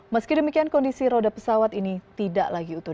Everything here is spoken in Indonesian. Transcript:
meski demikian kondisi roda pesawat ini tidak lagi utuh